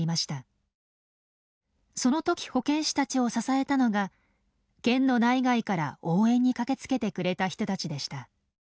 その時保健師たちを支えたのが県の内外から応援に駆けつけてくれた人たちでした。